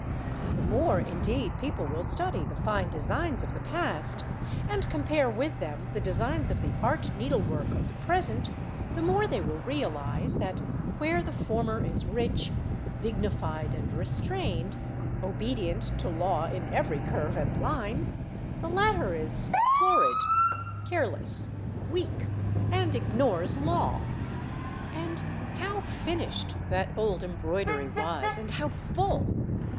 The more, indeed, people will study the fine designs of the past, and compare with them the designs of the art needlework of the present, the more they will realise that, where the former is rich, dignified, and restrained, obedient to law in every curve and line, the latter is florid, careless, weak, and ignores law. And how finished that old embroidery was, and how full!